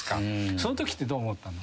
そのときってどう思ったの？